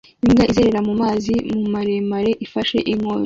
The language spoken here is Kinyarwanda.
Imbwa izerera mu mazi maremare ifashe inkoni